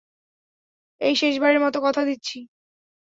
এই শেষবারের মতো, কথা দিচ্ছি।